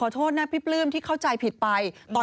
โทษนะพี่ปลื้มที่เข้าใจผิดไป